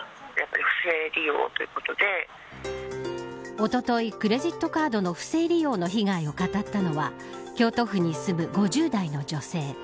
おとといクレジットカードの不正利用の被害を語ったのは京都府に住む５０代の女性。